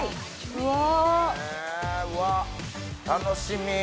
うわっ楽しみ！